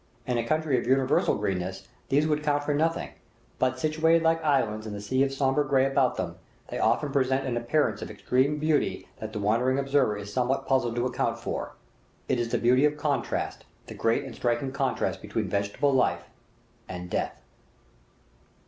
In a country of universal greenness these would count for nothing, but, situated like islands in the sea of sombre gray about them, they often present an appearance of extreme beauty that the wondering observer is somewhat puzzled to account for; it is the beauty of contrast, the great and striking contrast between vegetable life and death.